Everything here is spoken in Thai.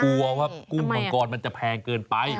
กลัวว่ากุ้งมังกรมันจะแพงเกินไป